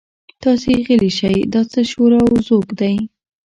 تاسې غلي شئ دا څه شور او ځوږ دی.